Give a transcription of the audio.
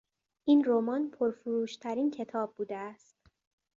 این رمان پرفروشترین کتاب بوده است.